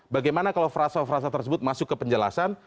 bagaimana kalau frasa frasa tersebut masuk ke penjelasan